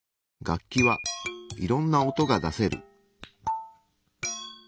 楽器はいろんな音が出せる。